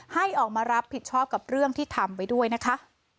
ให้ออกมารับผิดชอบกับเรื่องที่ทำไว้ด้วยนะคะ